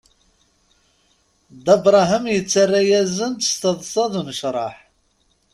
Dda Brahem yettara-yasen-d s taḍsa d unecraḥ.